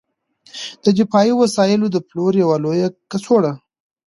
د دفاعي وسایلو د پلور یوه لویه کڅوړه